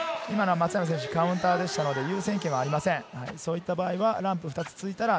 松山選手、カウンターでしたので、優先権はありません。